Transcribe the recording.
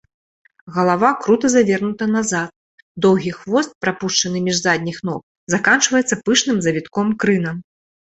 Галава крута завернута назад, доўгі хвост, прапушчаны між задніх ног, заканчваецца пышным завітком-крынам.